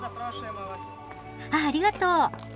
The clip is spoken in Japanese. あっありがとう。